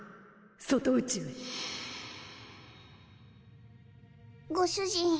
外宇宙へご主人。